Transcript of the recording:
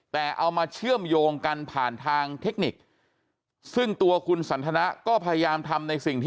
แต่เอามาเชื่อมโยงกันผ่านทางเทคนิคซึ่งตัวคุณสันทนาก็พยายามทำในสิ่งที่